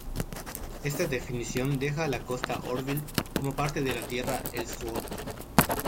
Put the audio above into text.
Esta definición deja a la costa Orville como parte de la Tierra de Ellsworth.